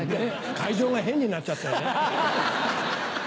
会場が変になっちゃったよね。